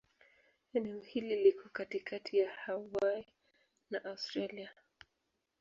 Eneo hili liko katikati ya Hawaii na Australia.